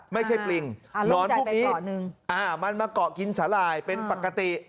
ปริงหนอนพวกนี้มันมาเกาะกินสาหร่ายเป็นปกติ